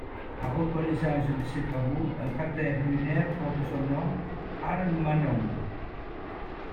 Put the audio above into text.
En reconnaissance de ces travaux, un cratère lunaire porte son nom, Almanon.